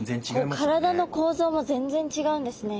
体の構造も全然違うんですね。